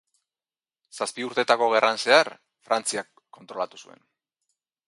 Zazpi urteetako gerran zehar, Frantziak kontrolatu zuen.